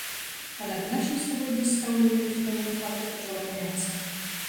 Аднак у нашым стагоддзі стаўленне да феномену хака пачало мяняцца.